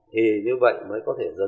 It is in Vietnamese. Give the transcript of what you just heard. thì như vậy mới có thể dần dần